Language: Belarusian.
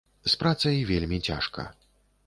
З працай вельмі цяжка.